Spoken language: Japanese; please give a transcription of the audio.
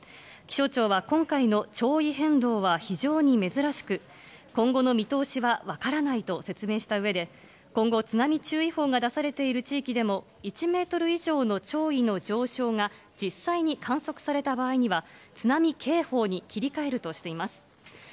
気象庁は今回の潮位変動は非常に珍しく、今後の見通しは分からないと説明したうえで、今後、津波注意報が出されている地域でも、１メートル以上の潮位の上昇が実際に観測された場合には、津波警報に切り替えるとしています。